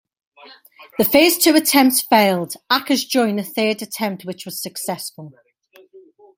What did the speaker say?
The first two attempts failed; Akers joined the third attempt which was successful.